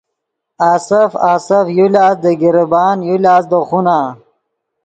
آسف آسف یو لاست دے گیربان یو لاست دے خونہ